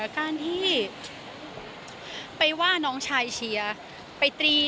การที่ไปว่าน้องชายเชียร์ไปตี